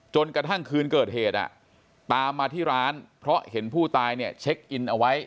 จนกระทั่งคืนเกิดเหตุตามมาที่ร้านเพราะเห็นผู้ตายเนี่ยเช็คอินเอาไว้